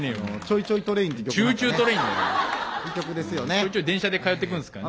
ちょいちょい電車で通ってくんすかね。